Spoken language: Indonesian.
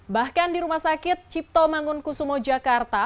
bahkan di rumah sakit cipto bangun kusumo jakarta